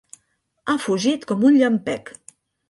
Ha fugit com un llampec.